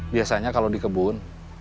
biasanya kalau di kebun